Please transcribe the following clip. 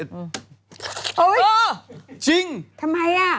เฮ้ยจริงทำไมอ่ะ